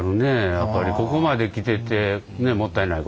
やっぱりここまで来ててもったいないことも。